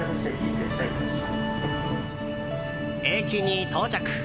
駅に到着。